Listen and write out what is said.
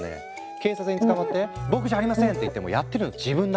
警察に捕まって「ボクじゃありません！」って言ってもやってるの自分だから。